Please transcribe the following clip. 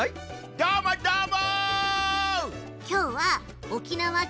どーもどーも！